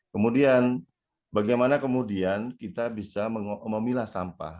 kemudian bagaimana kemudian kita bisa memilah sampah